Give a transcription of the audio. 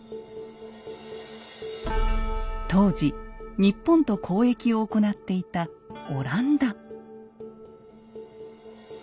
当時日本と交易を行っていたオランダ。